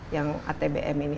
yang atbm ini